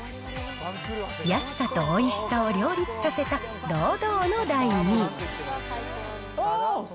安さとおいしさを両立させた堂々の第２位。